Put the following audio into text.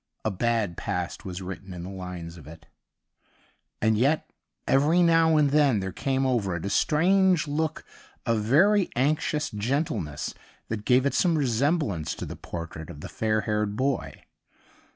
A bad past was written in the lines of it. And yet every now and then there 109 THE UNDYING THING came over it a strange look of very anxious gentleness that gave it some resemblance to the portrait of the fair haired boy.